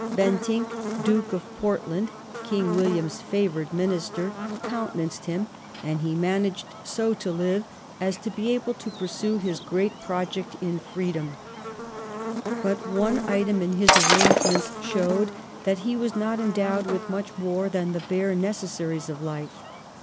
Bentinck, Duke of Portland, King William's favoured minister, countenanced him, and he managed so to live as to be able to pursue his great project in freedom. But one item in his arrangements showed that he was not endowed with much more than the bare necessaries of life.